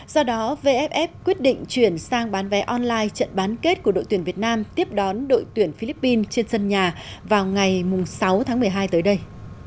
do đó vff quyết định chuyển sang bán vé online trận bán kết của đội tuyển việt nam tiếp đón đội tuyển philippines trên sân nhà vào ngày sáu tháng một mươi hai tới đây